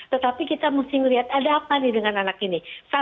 tetapi kita mesti melihat ada apa nih dengan anak ini